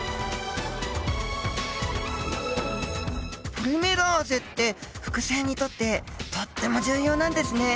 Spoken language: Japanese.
ポリメラーゼって複製にとってとっても重要なんですねえ。